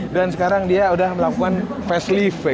dan sekarang dia sudah melakukan facelift